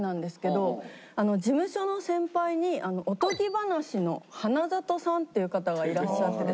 事務所の先輩におとぎばなしの花里さんっていう方がいらっしゃって。